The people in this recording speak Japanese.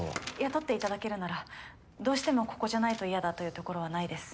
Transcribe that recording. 雇っていただけるならどうしてもここじゃないと嫌だというところはないです。